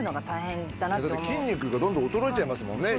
だって筋肉がどんどん衰えちゃいますもんね。